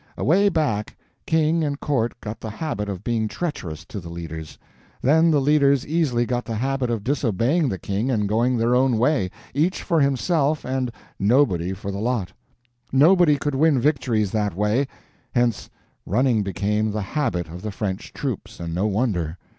Away back, King and Court got the habit of being treacherous to the leaders; then the leaders easily got the habit of disobeying the King and going their own way, each for himself and nobody for the lot. Nobody could win victories that way. Hence, running became the habit of the French troops, and no wonder.